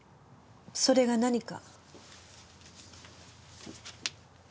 それが何か？